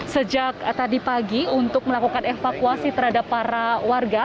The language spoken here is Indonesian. sejak tadi pagi untuk melakukan evakuasi terhadap para warga